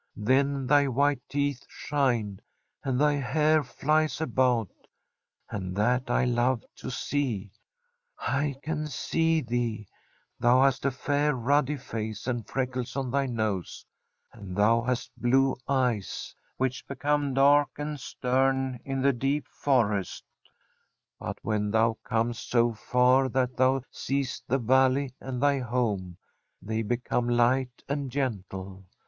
Then thy white teeth shine, and thy hair flies about, and that I love to see. I can see thee ; thou hast a fair, ruddy face and freckles on thy nose, and thou hast blue eyes, which be come dark and stem in the deep forest; but when thou comest so far that thou seest the valley and thy home, they become light and gentle.